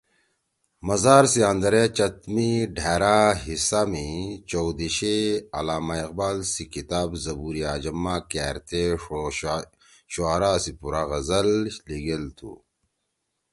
مزار سی اندرے چت می ڈھأرا حِصہ می چؤ دیِشے علامہ اقبال سی کِتاب ”زبورِ عجم“ ما کأرتے ݜو شعرا سی پُورا غزل لیِگیل تُھو